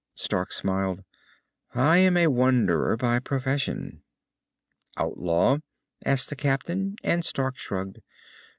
Stark smiled. "I am a wanderer by profession." "Outlaw?" asked the captain, and Stark shrugged.